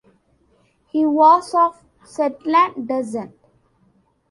He was of Shetland descent.